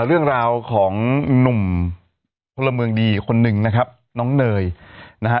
เรื่องราวของหนุ่มพลเมืองดีอีกคนนึงนะครับน้องเนยนะฮะ